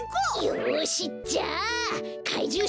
よしじゃあかいじゅうしょうぶだ！